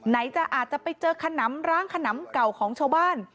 ไหนจะอาจจะไปเจอขนำร้างขนำเก่าของชาวบ้าน